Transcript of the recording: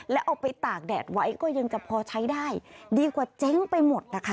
แล้วเอาไปตากแดดไว้ก็ยังจะพอใช้ได้ดีกว่าเจ๊งไปหมดนะคะ